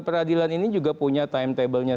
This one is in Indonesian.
peradilan ini juga punya timetable nya